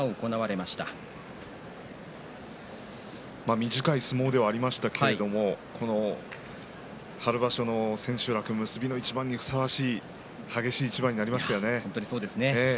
短い相撲ではありましたけれども春場所の千秋楽結びの一番にふさわしい激しい一番になりましたよね。